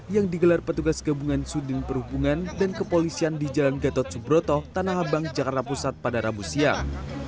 yang digelar petugas gabungan sudin perhubungan dan kepolisian di jalan gatot subroto tanah abang jakarta pusat pada rabu siang